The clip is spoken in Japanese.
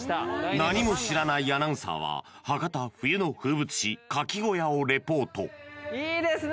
何も知らないアナウンサーは博多冬の風物詩かき小屋をリポートいいですね